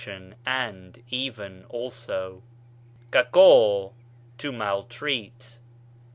and, even, also. κακόω, to maltreat